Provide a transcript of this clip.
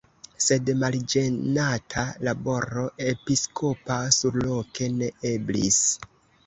Sed malĝenata laboro episkopa surloke ne eblis.